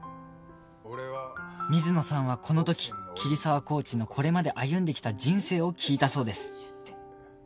水野さんはこの時桐沢コーチのこれまで歩んできた人生を聞いたそうです